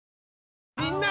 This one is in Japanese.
みんな！